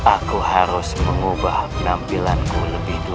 aku harus mengubah penampilanku lebih dulu